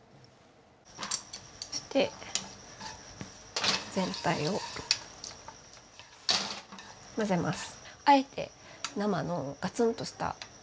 そして全体を混ぜます。